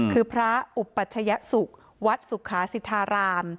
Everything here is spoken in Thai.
คือพระอุปัชยสุขวัดสุขาสิทธาราม